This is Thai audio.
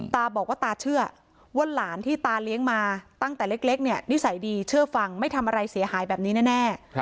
ตาบอกว่าตาเชื่อว่าหลานที่ตาเลี้ยงมาตั้งแต่เล็กเนี่ยนิสัยดีเชื่อฟังไม่ทำอะไรเสียหายแบบนี้แน่